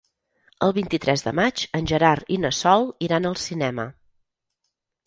El vint-i-tres de maig en Gerard i na Sol iran al cinema.